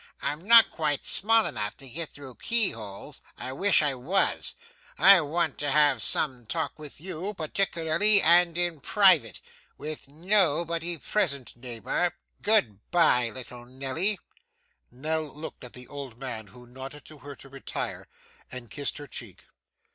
'I'm not quite small enough to get through key holes. I wish I was. I want to have some talk with you, particularly, and in private. With nobody present, neighbour. Good bye, little Nelly.' Nell looked at the old man, who nodded to her to retire, and kissed her cheek.